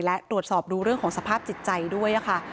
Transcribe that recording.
และตรวจสอบดูเรื่องของสภาพจิตใจด้วยค่ะ